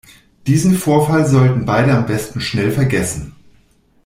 Diesen Vorfall sollten beide am besten schnell vergessen.